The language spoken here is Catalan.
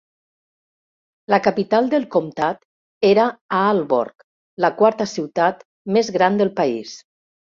La capital del comtat era Aalborg, la quarta ciutat més gran del país.